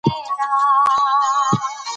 یو څوک په کار وګمارئ.